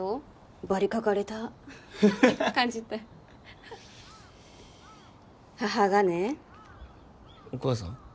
ばりかかれた感じったい母がねお母さん？